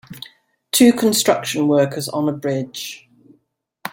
Two construction workers on a bridge